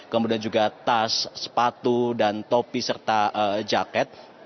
kemudian juga tas sepatu dan topi serta jaket